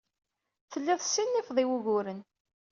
Telliḍ tessinifeḍ i wuguren.